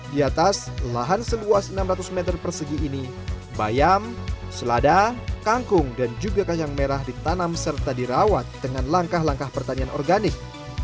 di atas lahan seluas enam ratus meter persegi ini bayam selada kangkung dan juga kacang merah ditanam serta dirawat dengan langkah langkah pertanian organik